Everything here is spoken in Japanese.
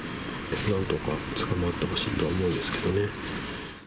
なんとか捕まってほしいとは思うんですけどね。